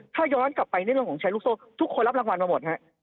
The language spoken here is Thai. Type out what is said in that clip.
ถ้าย้อนกลับไปในเรื่องของแชร์ลูกโซ่ทุกคนรับรางวัลมาหมดฮะ